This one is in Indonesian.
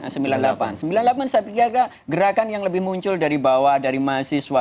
seribu sembilan ratus sembilan puluh delapan saya pikir agak gerakan yang lebih muncul dari bawah dari mahasiswa